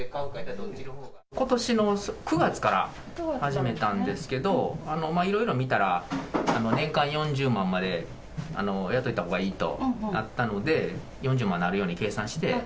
ことしの９月から始めたんですけど、いろいろ見たら、年間４０万までやっといたほうがいいとなったので、４０万になるように計算して。